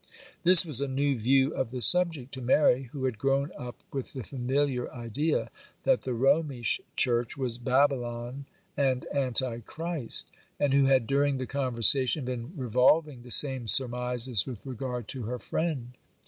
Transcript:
This was a new view of the subject to Mary, who had grown up with the familiar idea that the Romish Church was Babylon and anti Christ, and who had during the conversation been revolving the same surmises with regard to her friend.